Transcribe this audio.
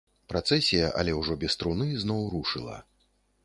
Працэсія, але ўжо без труны, зноў рушыла.